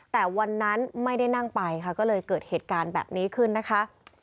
แต่วันนั้นไม่ได้นั่งไปค่ะก็เลยเกิดเหตุการณ์แบบนี้ขึ้นนะคะ